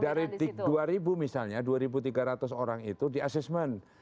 dari dua ribu misalnya dua tiga ratus orang itu di assessment